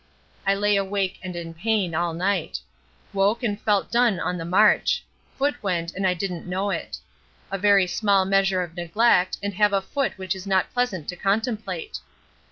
I lay awake and in pain all night; woke and felt done on the march; foot went and I didn't know it. A very small measure of neglect and have a foot which is not pleasant to contemplate.